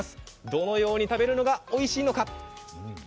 どのように食べるのがおいしいのか。